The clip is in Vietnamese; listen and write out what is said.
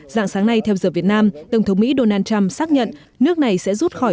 dạng sáng nay theo giờ việt nam tổng thống mỹ donald trump xác nhận nước này sẽ rút khỏi